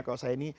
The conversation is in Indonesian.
kalau saya ini